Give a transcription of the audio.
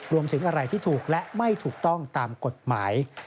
รวมถึงอะไรที่ถูกและไม่ถูกต้องตามกฎหมาย